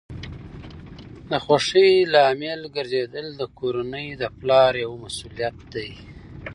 د خوښۍ لامل ګرځیدل د کورنۍ د پلار یوه مسؤلیت ده.